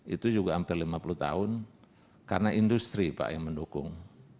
itu juga hampir lima puluh tahun karena industri pak yang mendukung